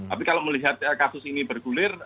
tapi kalau melihat kasus ini bergulir